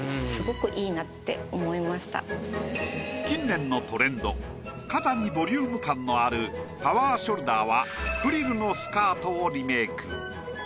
近年のトレンド肩にボリューム感のあるパワーショルダーはフリルのスカートをリメイク。